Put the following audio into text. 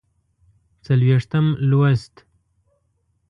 څلوېښتم لوست